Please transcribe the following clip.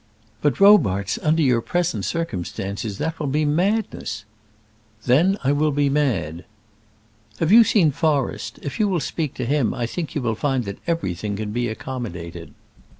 "But, Robarts, under your present circumstances that will be madness." "Then I will be mad." "Have you seen Forrest? If you will speak to him I think you will find that everything can be accommodated."